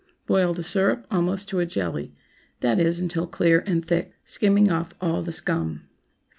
Boil the syrup almost to a jelly—that is, until clear and thick, skimming off all the scum.